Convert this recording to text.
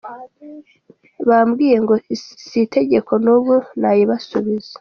Bambwiye ngo si itegeko n’ubu nayibasubiza.